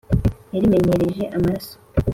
yarimenyereje amaraso